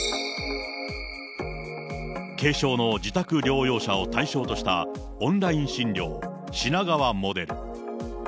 軽症の自宅療養者を対象としたオンライン診療、品川モデル。